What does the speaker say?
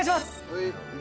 はい。